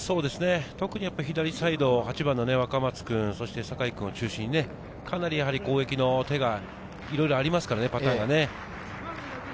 特に左サイド・若松君、坂井君を中心に、かなり攻撃の手がいろいろありますね、パターン